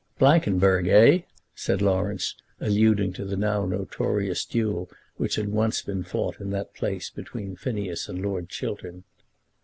"Blankenberg, eh!" said Laurence, alluding to the now notorious duel which had once been fought in that place between Phineas and Lord Chiltern.